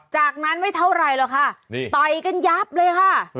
จากนั้นไม่เท่าไหร่หรอกค่ะนี่ต่อยกันยับเลยค่ะ